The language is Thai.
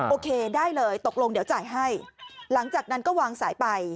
โอเคได้เลยตกลงเดี๋ยวจ่ายให้หลังจากนั้นก็วางสายไป